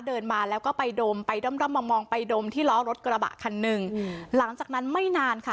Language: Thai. เดินมาแล้วก็ไปดมไปด้อมด้อมมามองไปดมที่ล้อรถกระบะคันหนึ่งหลังจากนั้นไม่นานค่ะ